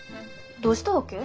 どうしたわけ？